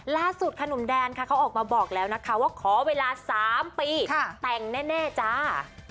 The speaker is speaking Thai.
ล่าสุดค่ะหนุ่มแดนค่ะเขาออกมาบอกแล้วนะคะว่าขอเวลา๓ปีแต่งแน่จ้า